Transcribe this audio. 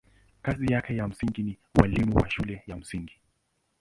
Kazi yake ya msingi ni ualimu wa shule ya msingi.